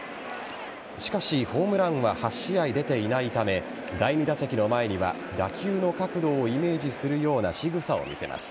しかし、ホームランは８試合出ていないため第２打席目には打球の角度をイメージするようなしぐさを見せます。